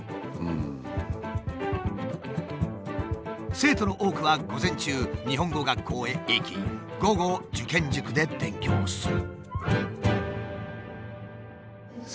生徒の多くは午前中日本語学校へ行き午後受験塾で勉強する。